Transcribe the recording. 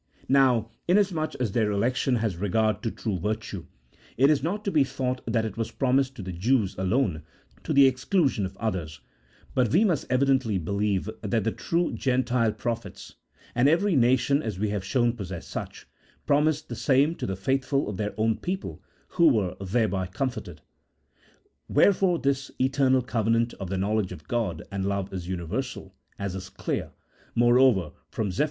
JSTow, inasmuch as their election has regard to true virtue, it is not to be thought that it was promised to the Jews alone to the exclusion of others, but we must evidently believe that the true Gentile pro phets (and every nation, as we have shown, possessed such) promised the same to the faithful of their own people, who were thereby comforted. Wherefore this eternal covenant of the knowledge of God and love is universal, as is clear, moreover, from Zeph.